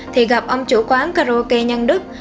thì gặp ông chủ quán karaoke nhân đức